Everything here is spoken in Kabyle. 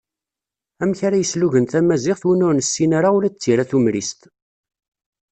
Amek ara yeslugen tamaziɣt win ur nessin ara ula d tira tumrist.